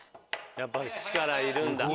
やっぱ力いるんだ。